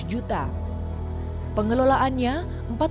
pembelian air dari gunung penanggungan ini mencapai rp delapan